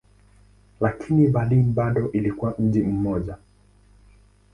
Lakini Berlin bado ilikuwa mji mmoja.